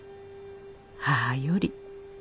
母より」。